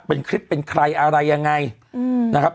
เป็นคลิปเป็นใครอะไรยังไงนะครับ